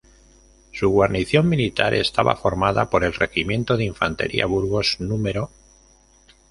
Su guarnición militar estaba formada por el regimiento de infantería Burgos núm.